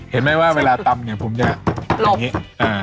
เห็นไหมว่าเวลาตำเนี่ยผมจะอย่างนี้